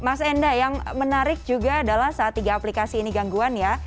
mas enda yang menarik juga adalah saat tiga aplikasi ini gangguan ya